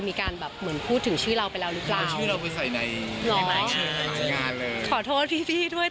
เมื่องานเลยขอโทษพี่ด้วย